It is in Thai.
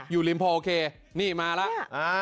อยู่ริมโพลโอเคนี่มาแล้ว